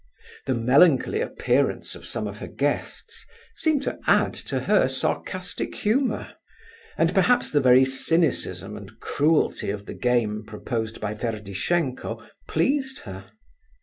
The melancholy appearance of some of her guests seemed to add to her sarcastic humour, and perhaps the very cynicism and cruelty of the game proposed by Ferdishenko pleased her.